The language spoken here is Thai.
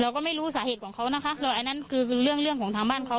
เราก็ไม่รู้สาเหตุของเขานะคะอันนั้นคือเรื่องของทางบ้านเขา